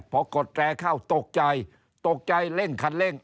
พอกดแตรเข้าตกใจตกใจเร่งคันเร่ง